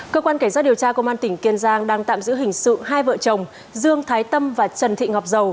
cơ quan cảnh sát điều tra công an tỉnh kiên giang đang tạm giữ hình sự hai vợ chồng dương thái tâm và trần thị ngọc dầu